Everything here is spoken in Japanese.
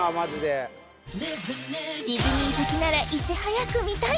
ディズニー好きならいち早く見たい！